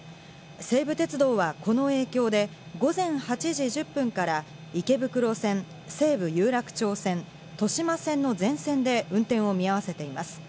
西武鉄道は、この影響で午前８時１０分から池袋線、西武有楽町線、豊島線の全線で運転を見合わせています。